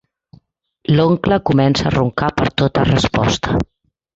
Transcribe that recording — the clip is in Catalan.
L'oncle comença a roncar per tota resposta.